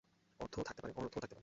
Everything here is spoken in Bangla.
অর্থও থাকতে পারে অনর্থও থাকতে পারে।